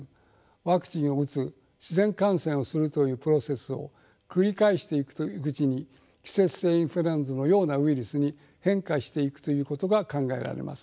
ワクチンを打つ自然感染をするというプロセスを繰り返していくうちに季節性インフルエンザのようなウイルスに変化していくということが考えられます。